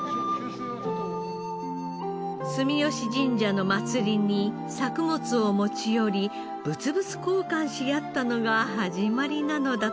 住吉神社の祭りに作物を持ち寄り物々交換し合ったのが始まりなのだとか。